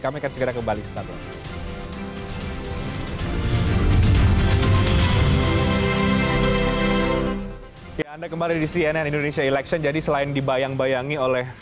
kami akan segera kembali sesaat lagi